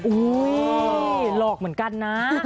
อุ้ยหลอกเหมือนกันนะ